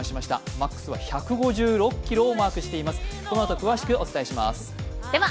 マックスは１５６キロをマークしています。